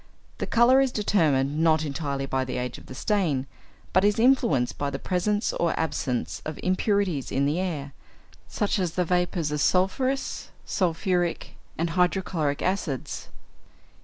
The colour is determined, not entirely by the age of the stain, but is influenced by the presence or absence of impurities in the air, such as the vapours of sulphurous, sulphuric, and hydrochloric acids.